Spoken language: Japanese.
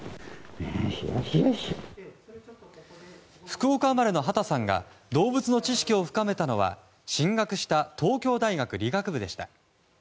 福岡生まれの畑さんが動物の知識を深めたのは進学した東京大学理学部でした。